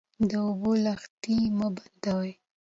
د اوبو لښتې مه بندوئ.